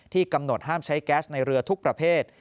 กำหนดห้ามใช้แก๊สในเรือทุกประเภท